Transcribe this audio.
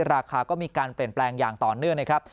ราคาก็มีการเปลี่ยนแปลงอย่างต่อเนื่องนะครับ